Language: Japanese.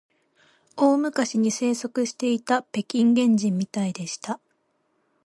大昔に生息していた北京原人みたいでした